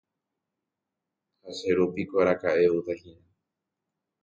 Ha che ru piko araka'e outahína.